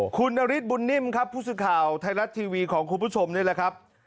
คุณนฤทธบุญนิ่มครับผู้สื่อข่าวไทยรัฐทีวีของคุณผู้ชมนี่แหละครับ